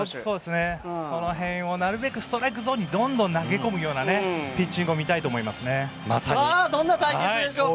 その辺をなるべくストライクゾーンにどんどん投げ込むようなどんな対決でしょうか。